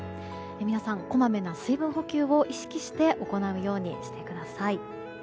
皆さん、こまめな水分補給を意識して行うようにしてください。